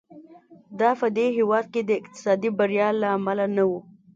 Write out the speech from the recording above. دا په دې هېواد کې د اقتصادي بریا له امله نه و.